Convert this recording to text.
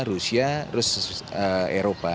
rusia terus eropa